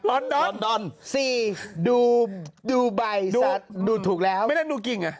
ลอนดอนลอนดอนสี่ดูดูใบดูดูถูกแล้วไม่ได้ดูกิ่งอ่ะ